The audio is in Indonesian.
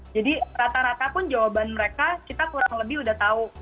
jadi rata rata pun jawaban mereka kita kurang lebih udah tahu